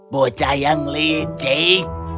bocah yang licik